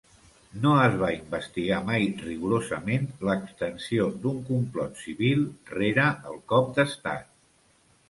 No es va investigar mai rigorosament l'extensió d'un complot civil rere el cop d'estat.